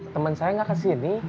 temen saya gak kesini